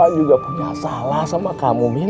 saya juga punya salah sama kamu min